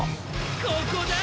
ここだ！